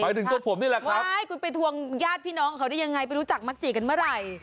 ถึงตัวผมนี่แหละครับใช่คุณไปทวงญาติพี่น้องเขาได้ยังไงไปรู้จักมักจีกันเมื่อไหร่